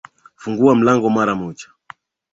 fungua mlango mara moja